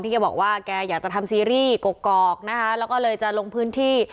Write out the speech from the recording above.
ทีเกียวบอกว่าแกอยากจะทำซีรีส์กรกกกกก็เลยจะลงพื้นที่